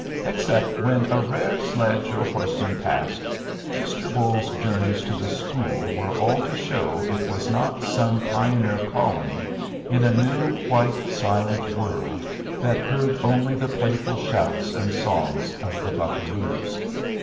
Except when a rare sledge or horseman passed, Mr. Bolles's journeys to the school were all to show it was not some pioneer colony in a new, white, silent world that heard only the playful shouts and songs of the buccaroos.